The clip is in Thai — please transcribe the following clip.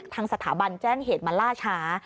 ทางสถาบันแจ้งเหตุมาล่าช้า